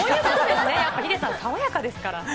ヒデさん、爽やかですから。